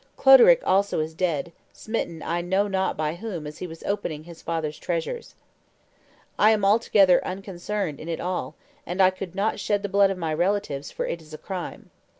Cloderic also is dead, smitten I know not by whom as he was opening his father's treasures. I am altogether unconcerned in it all, and I could not shed the blood of my relatives, for it is a crime.